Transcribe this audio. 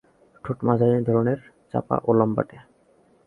ঠোঁট মাঝারি ধরনের, চাপা ও লম্বাটে।